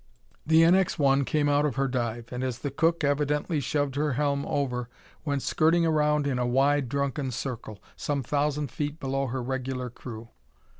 The NX 1 came out of her dive, and, as the cook evidently shoved her helm over, went skirting around in a wide, drunken circle, some thousand feet below her regular crew.